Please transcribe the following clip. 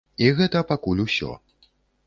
І гэта пакуль усё.